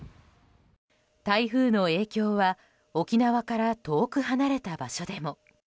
台風の影響は沖縄から遠く離れた場所でも。